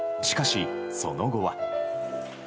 しかし、その後は。